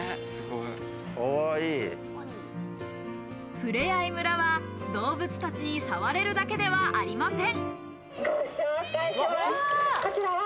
ふれあい村は、動物たちに触れるだけではありません。